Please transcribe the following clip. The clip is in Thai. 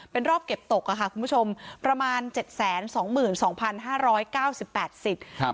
เป็นรอบเก็บตกอะค่ะคุณผู้ชมประมาณเจ็ดแสนสองหมื่นสองสองพันห้าร้อยเก้าสิบแปดสิทธิ์ครับ